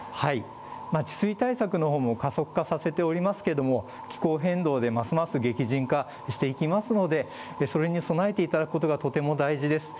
治水対策のほうも加速化させておりますけれども、気候変動でますます激甚化していきますので、それに備えていただくことがとても大事です。